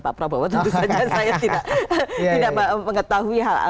pak prabowo tentu saja saya tidak